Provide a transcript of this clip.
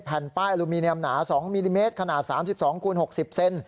แผ่นป้ายอลูมิเนียมหนา๒มิลลิเมตรขนาด๓๒คูณ๖๐เซน